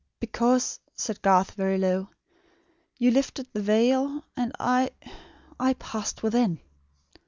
"Because," said Garth, very low, "you lifted the veil, and I I passed within."